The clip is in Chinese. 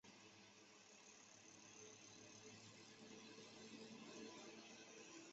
北附地菜是紫草科附地菜属的植物。